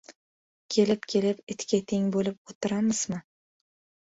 Kelib-kelib, itga teng bo‘lib o‘tiramizmi!